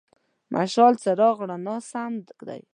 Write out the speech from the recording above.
مشال: څراغ، رڼا سم دی.